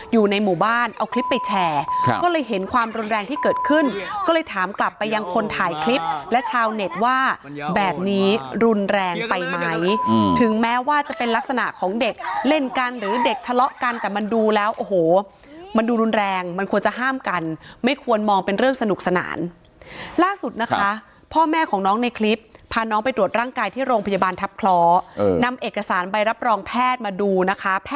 อยู่ในหมู่บ้านเอาคลิปไปแชร์ก็เลยเห็นความรุนแรงที่เกิดขึ้นก็เลยถามกลับไปยังคนถ่ายคลิปและชาวเน็ตว่าแบบนี้รุนแรงไปไหมถึงแม้ว่าจะเป็นลักษณะของเด็กเล่นกันหรือเด็กทะเลาะกันแต่มันดูแล้วโอ้โหมันดูรุนแรงมันควรจะห้ามกันไม่ควรมองเป็นเรื่องสนุกสนานล่าสุดนะคะพ่อแม่ของน้องในคลิปพาน